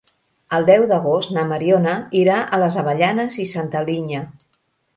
El deu d'agost na Mariona irà a les Avellanes i Santa Linya.